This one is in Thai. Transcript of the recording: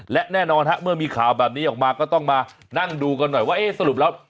และแน่นอนฮะเมื่อมีข่าวแบบนี้ออกมาก็ต้องมานั่งดูกันหน่อยว่าเอ๊ะสรุปแล้ว